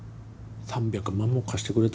３００万も貸してくれたのにさ。